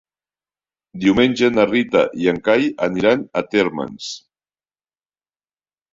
Diumenge na Rita i en Cai aniran a Térmens.